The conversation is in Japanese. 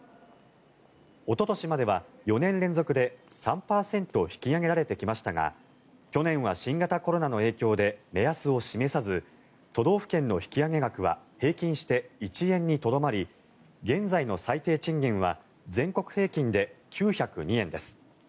おととしまでは４年連続で３％引き上げられてきましたが去年は新型コロナの影響で目安を示さず都道府県の引き上げ額は平均して１円にとどまり現在の最低賃金は全国平均で９０２円です。